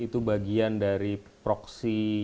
itu bagian dari proxy